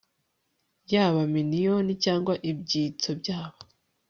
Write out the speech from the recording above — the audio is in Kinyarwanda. Yaba miniyoni cyangwa ibyitso byabo